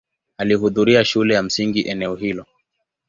Alihudhuria shule ya msingi eneo hilo.